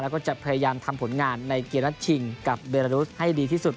แล้วก็จะพยายามทำผลงานในเกมนัดชิงกับเบรารุสให้ดีที่สุด